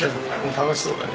楽しそうだね。